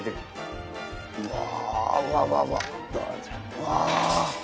うわ！